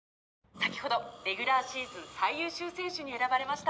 「先ほどレギュラーシーズン最優秀選手に選ばれました」